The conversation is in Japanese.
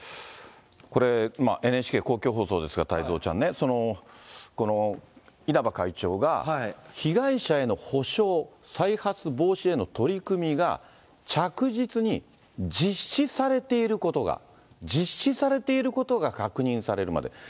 これ、ＮＨＫ、公共放送ですが、太蔵ちゃんね、この稲葉会長が、被害者への補償、再発防止への取り組みが着実に実施されていることが、実施されていることが確認されるまで。